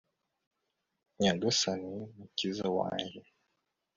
nyagasani, mukiza wanjye